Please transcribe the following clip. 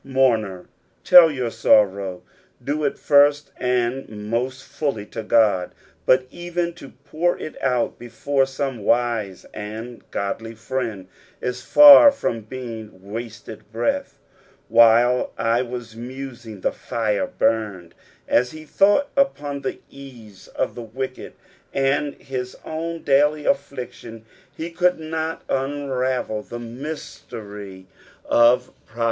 Mourner, tell your sorrow ; do it first and most fully to God, but even to pour it out before some wise and godly friend is far from being wasted breath. "WAUe I teat muting the Jire burned.'^ As he thought upon the ease of the wicked and his own duly afllictioo, he could not unravel the mystery of 240 EXPOBITlOirS OF THE FSALHS.